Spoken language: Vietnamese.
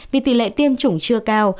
vì tỷ lệ tiêm chủng chưa cao